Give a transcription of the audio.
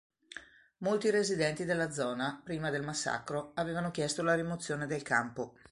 Molti residenti della zona, prima del massacro, avevano chiesto la rimozione del campo.